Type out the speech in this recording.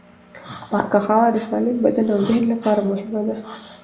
پاکه هوا د سالم بدن او ذهن لپاره مهمه ده.